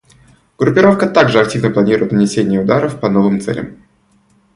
Группировка также активно планируют нанесение ударов по новым целям.